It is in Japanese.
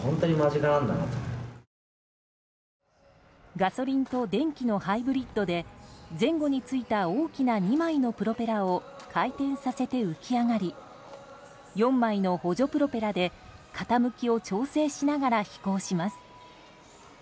ガソリンと電気のハイブリッドで前後についた大きな２枚のプロペラを回転させて浮き上がり４枚の補助プロペラで傾きを調整しながら飛行します。